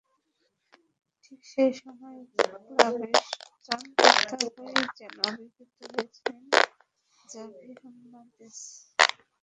ঠিক সেই সময়ই ক্লাবের ত্রাণকর্তা হয়েই যেন আবির্ভূত হয়েছিলেন জাভি হার্নান্দেজ।